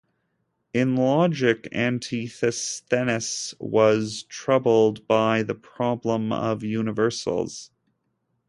In logic, Antisthenes was troubled by the problem of universals.